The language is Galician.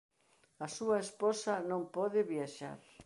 A súa esposa non pode viaxar.